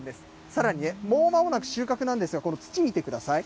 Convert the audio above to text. さらにね、もうまもなく収穫なんですが、土見てください。